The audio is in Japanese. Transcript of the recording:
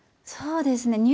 そうですね。